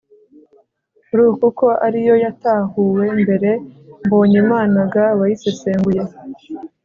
ru, kuko ari yo yatahuwe mbere.mbonyimana g., wayisesenguye